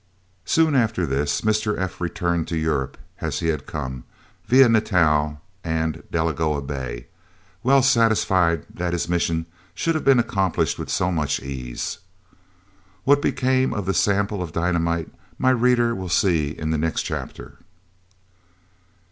Soon after this Mr. F. returned to Europe as he had come, via Natal and Delagoa Bay, well satisfied that his mission should have been accomplished with so much ease. What became of the sample of dynamite my reader will see in the next chapter.